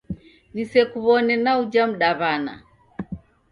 Nisekuw'one na uja mdaw'ana